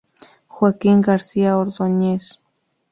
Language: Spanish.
Joaquín García Ordóñez.